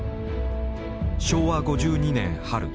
昭和５２年春。